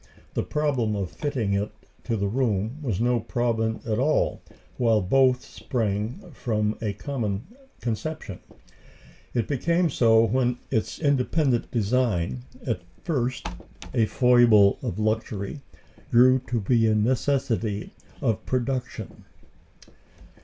The problem of fitting it to the room was no problem at all while both sprang from a common conception: it became so when its independent design, at first a foible of luxury, grew to be a necessity of production.